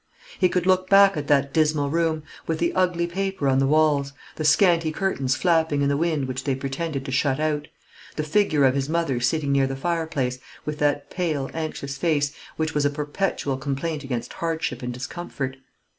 He could look back at that dismal room, with the ugly paper on the walls, the scanty curtains flapping in the wind which they pretended to shut out; the figure of his mother sitting near the fireplace, with that pale, anxious face, which was a perpetual complaint against hardship and discomfort.